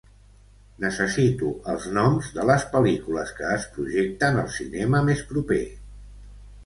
Necessito els noms de les pel·lícules que es projecten al cinema més proper